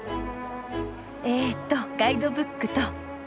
えっとガイドブックと。